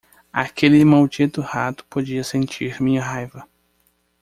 Aquele maldito rato podia sentir minha raiva.